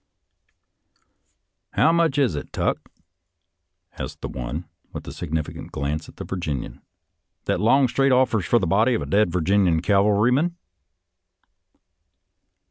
" How much is it, Tuck," asked the one, with a significant glance at the Virginian, " that Long street offers for the body of a dead Virginia cavalryman.?